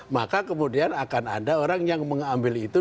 maka kemudian akan ada orang yang mengambil itu